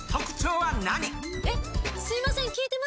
えっすいません。